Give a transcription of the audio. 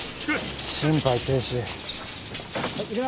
心肺停止。